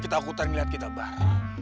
kita akutan liat kita barah